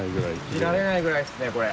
信じられないぐらいっすねこれ。